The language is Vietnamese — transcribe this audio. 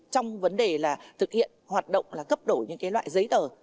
trong vấn đề là thực hiện hoạt động là cấp đổi những loại giấy tờ